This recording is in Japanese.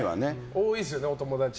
多いですよね、お友達。